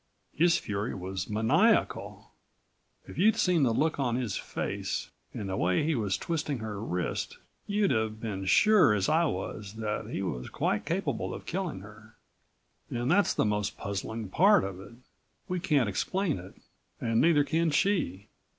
His fury was maniacal. If you'd seen the look on his face and the way he was twisting her wrist you'd have been sure as I was that he was quite capable of killing her. And that's the most puzzling part of it. We can't explain it and neither can she.